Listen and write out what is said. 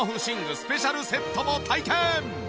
スペシャルセットを体験！